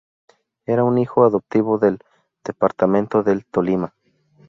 Era un hijo adoptivo del departamento del Tolima.